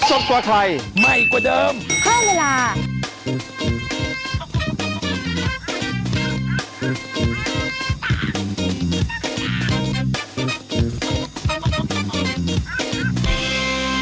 ไม่ทันคิดว่านายกไม่น่าจะเห็นไม่น่าเห็นฮะไม่น่าเห็นก็คือใครให้เค้ารับ